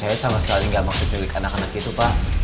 saya sama sekali gak mau menculik anak anak itu pak